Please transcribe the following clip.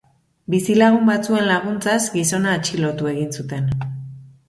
Bizilagun batzuen laguntzaz gizona atxilotu egin zuten.